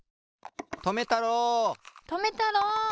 とめたろう！とめたろう！